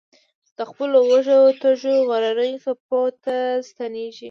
د خپلو وږو تږو کورنیو څپرو ته ستنېږي.